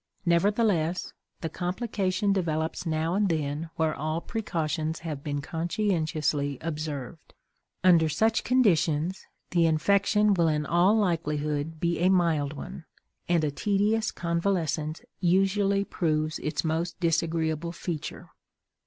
Nevertheless, the complication develops now and then where all precautions have been conscientiously observed. Under such conditions the infection will in all likelihood be a mild one, and a tedious convalescence usually proves its most disagreeable feature.